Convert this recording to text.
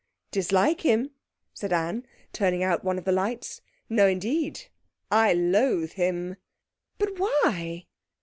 'Dislike him?' said Anne, turning out one of the lights. 'No, indeed! I loathe him!' 'But why?'